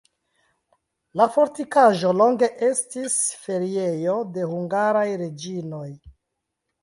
La fortikaĵo longe estis feriejo de hungaraj reĝinoj.